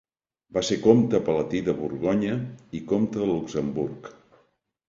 Va ser comte palatí de Borgonya i comte de Luxemburg.